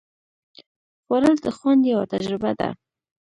خوړل د خوند یوه تجربه ده